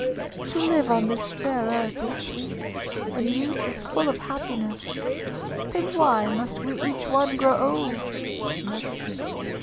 "To live on this fair earth is sweet, And youth is full of happiness. Then why must wc each one grow old?"